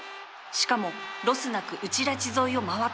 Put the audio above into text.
しかもロスなく内ラチ沿いを回った